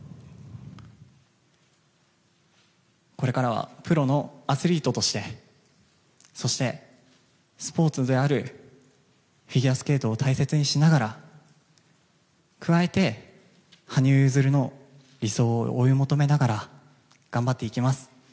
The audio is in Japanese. これからはプロのアスリートとしてそして、スポーツであるフィギュアスケートを大切にしながら加えて羽生結弦の理想を追い求めながら頑張っていきます。